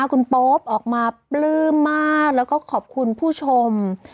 คุณโป๊ปออกมาปลื้มมากแล้วก็ขอบคุณผู้ชม